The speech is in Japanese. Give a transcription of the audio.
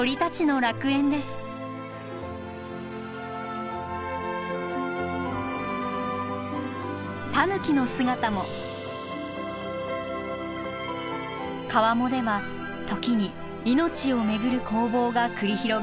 川面では時に命をめぐる攻防が繰り広げられます。